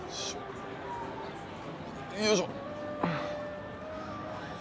よいしょ。